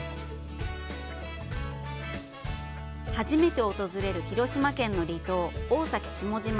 初めて訪れる広島県の離島、大崎下島。